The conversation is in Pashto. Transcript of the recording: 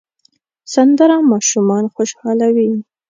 سندره ماشومان خوشحالوي